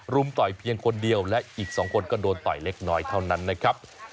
ต่อยเพียงคนเดียวและอีก๒คนก็โดนต่อยเล็กน้อยเท่านั้นนะครับ